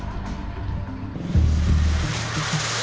kerajaan larang tuka